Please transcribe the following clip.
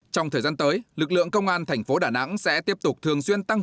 trong thời gian tới lực lượng công an thành phố đà nẵng sẽ tiếp tục thường xuyên tăng